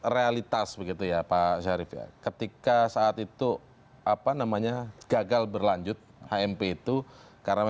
realitas begitu ya pak syarif ya ketika saat itu apa namanya gagal berlanjut hmp itu karena